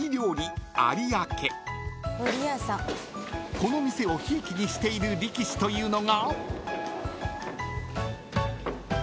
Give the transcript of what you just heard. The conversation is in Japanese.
［この店をひいきにしている力士というのが］